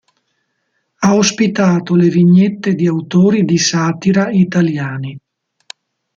Ha ospitato le vignette di autori di satira italiani.